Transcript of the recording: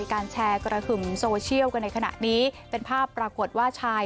การแชร์กระหึ่มโซเชียลกันในขณะนี้เป็นภาพปรากฏว่าชาย